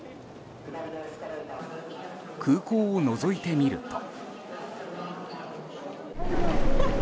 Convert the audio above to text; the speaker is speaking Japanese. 空港をのぞいてみると。